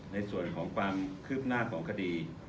ในส่วนของความคืบหน้าของคดี